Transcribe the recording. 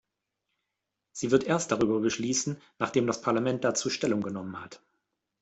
Sie wird erst darüber beschließen, nachdem das Parlament dazu Stellung genommen hat.